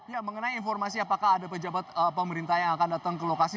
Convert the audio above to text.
ya mengenai informasi apakah ada pejabat pemerintah yang akan datang ke lokasi